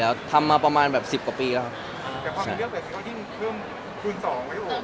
แล้วถ่ายละครมันก็๘๙เดือนอะไรอย่างนี้